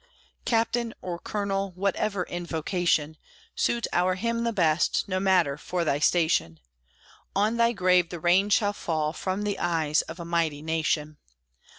"Captain or Colonel," whatever invocation Suit our hymn the best, no matter for thy station, On thy grave the rain shall fall from the eyes of a mighty nation!